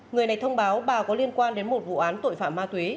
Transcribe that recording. người này thông báo bà có liên quan đến một vụ án tội phạm ma túy